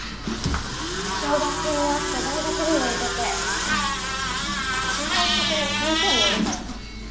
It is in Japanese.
奨学金もあって大学にも行けて心配してくれる先生もいるからさ。